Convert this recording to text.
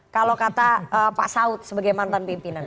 kalau kata pak saud sebagai mantan pimpinan